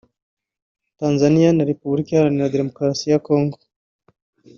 Tanzaniya na Republika iharanira demokarasi ya Congo